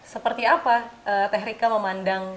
seperti apa teh rika memandang